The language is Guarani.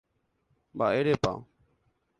Mba'érepa